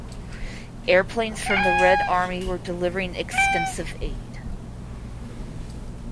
Airplanes from the Red Army were delivering extensive aid.